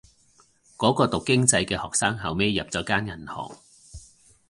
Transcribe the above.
嗰個讀經濟嘅學生後尾入咗間銀行